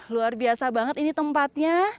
luar biasa banget ini tempatnya